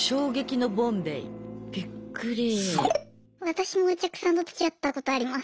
私もお客さんとつきあったことあります。